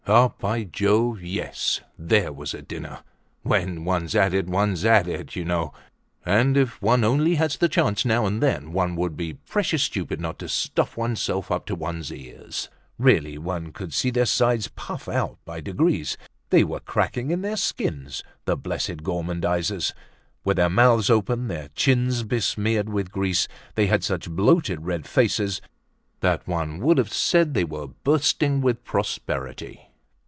Ah, by Jove! Yes, there was a dinner! When one's at it, one's at it, you know; and if one only has the chance now and then, one would be precious stupid not to stuff oneself up to one's ears. Really, one could see their sides puff out by degrees. They were cracking in their skins, the blessed gormandizers! With their mouths open, their chins besmeared with grease, they had such bloated red faces that one would have said they were bursting with prosperity.